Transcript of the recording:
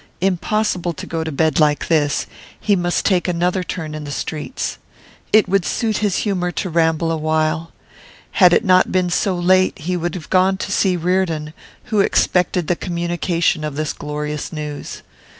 Impossible to go to bed like this; he must take another turn in the streets. It would suit his humour to ramble a while. Had it not been so late he would have gone to see Reardon, who expected the communication of this glorious news.